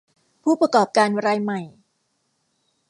ผู้ประกอบการรายใหม่